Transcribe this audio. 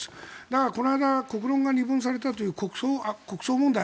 だから、この間国論が二分されたという国葬問題